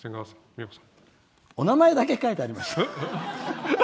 お名前だけ書いてあります。